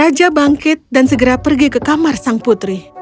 raja bangkit dan segera pergi ke kamar sang putri